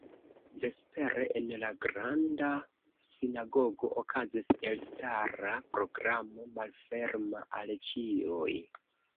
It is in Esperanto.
Vespere en la Granda Sinagogo okazis elstara programo malferma al ĉiuj.